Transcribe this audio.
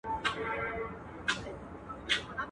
مندوشاه چي هم هوښیار هم پهلوان وو.